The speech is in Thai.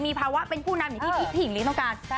มีภาวะเป็นผู้นำอย่างที่พี่หญิงลีต้องการ